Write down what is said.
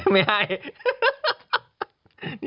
ไม่ให้